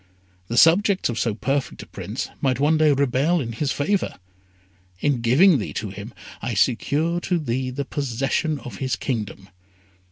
The subjects of so perfect a prince might one day rebel in his favour. In giving thee to him I secure to thee the possession of his kingdom.